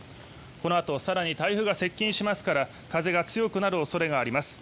このあと更に台風が接近しますから風が強くなる恐れがあります。